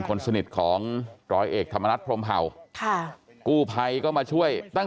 คนสนิทของร้อยเอกธรรมนัฐพรมเผ่าค่ะกู้ภัยก็มาช่วยตั้ง